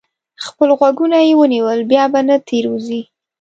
خپل غوږونه یې ونیول؛ بیا به نه تېروځي.